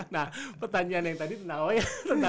nah pertanyaan yang tadi tentang apa ya